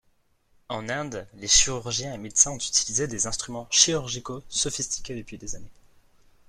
En Inde, les chirurgiens et médecins ont utilisé des instruments chirurgicaux sophistiqués depuis l'Antiquité.